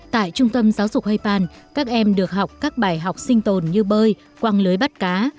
tại trung tâm giáo dục hei pan các em được học các bài học sinh tồn như bơi quăng lưới bắt cá